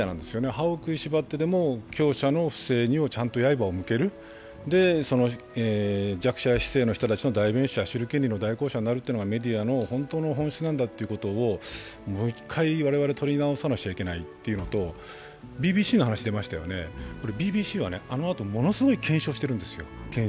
歯を食いしばっても強者の不正にちゃんと刃を向ける、弱者とか市井の人の知る権利をメディアの本当の本質なんだということをもう一回、我々とり直さなきゃいけないというのと、ＢＢＣの話出ましたがＢＢＣはあのあとものすごい検証してるんですよ。